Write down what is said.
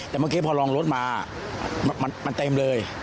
แต่เมื่อกี้พอลองรถมามันเต็มเลย